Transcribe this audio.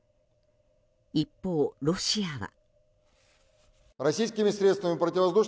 一方、ロシアは。